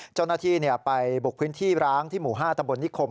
เจ้าหน้าที่ไปบุกพื้นที่ร้างที่หมู่๕ตำบลนิคม